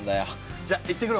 じゃ行ってくるわ。